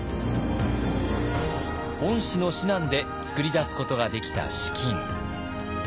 御師の指南で作り出すことができた資金。